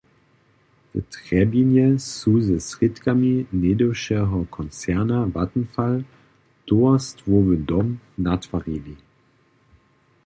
W Trjebinje su ze srědkami něhdyšeho koncerna Vattenfall towarstwowy dom natwarili.